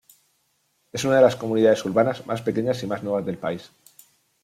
Es una de las comunidades urbanas más pequeñas y más nuevas del país.